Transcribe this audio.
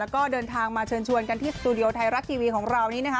ก็เดินทางมาเชิญชวนกันที่สตูดิโอไทยรัฐทีวีของเรานี้นะคะ